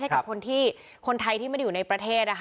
ให้กับคนที่คนไทยที่ไม่ได้อยู่ในประเทศนะคะ